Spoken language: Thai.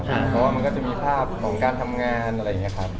เพราะว่ามันก็จะมีภาพของการทำงานอะไรอย่างนี้ครับ